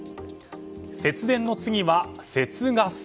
節電の次は節ガス。